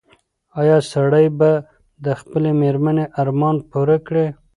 ایا سړی به د خپلې مېرمنې ارمان پوره کړي؟